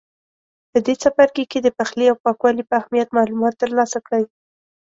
په دې څپرکي کې د پخلي او پاکوالي په اهمیت معلومات ترلاسه کړئ.